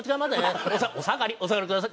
「おさがり」おさがりください。